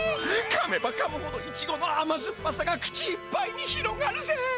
かめばかむほどイチゴのあまずっぱさが口いっぱいに広がるぜ！